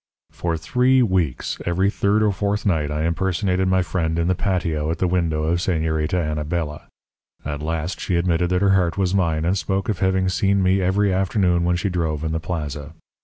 "For three weeks every third or fourth night I impersonated my friend in the patio at the window of Señorita Anabela. At last she admitted that her heart was mine, and spoke of having seen me every afternoon when she drove in the plaza.